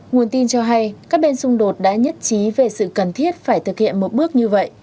nguồn tin cho hay các bên xung đột đã nhất trí về sự cần thiết phải thực hiện một bước như vậy